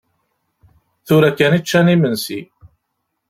Tura kan i ččan imensi.